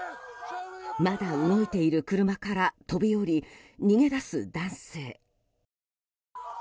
まだ動いている車から飛び降り逃げ出す男性。